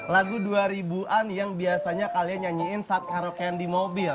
lagu dua ribu an yang biasanya kalian nyanyiin saat karaoke di mobil